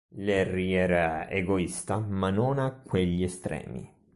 Larry era egoista, ma non a quegli estremi.